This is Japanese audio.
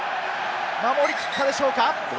守り切ったでしょうか。